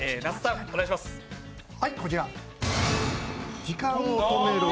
はい、こちら。